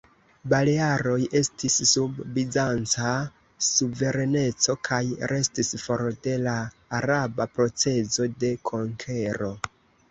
Balearoj estis sub bizanca suvereneco, kaj restis for de la araba procezo de konkero.